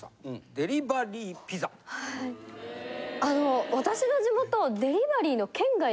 はいあの私の地元。